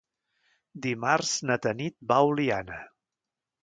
Dimarts na Tanit va a Oliana.